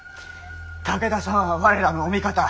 武田様は我らのお味方。